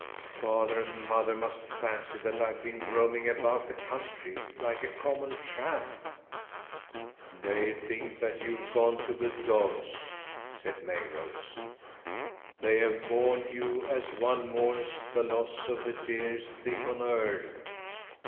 "Father and mother must fancy that I've been roaming about the country, like a common tramp?" "They think that you've gone to the dogs," said Mayrose. "They have mourned you as one mourns the loss of the dearest thing on earth."